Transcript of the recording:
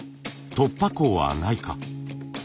突破口はないか。